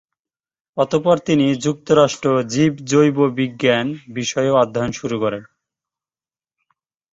অতঃপর তিনি যুক্তরাষ্ট্র জীব-জৈব বিজ্ঞান বিষয়ে অধ্যয়ন শুরু করেন।